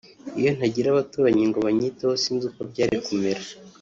iyo ntagira abaturanyi ngo banyiteho sinzi uko byari kumera